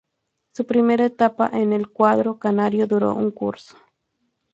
Su primera etapa en el cuadro canario duró un curso.